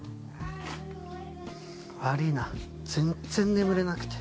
悪いな全然眠れなくて。